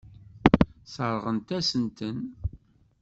Sseṛɣent-as-ten.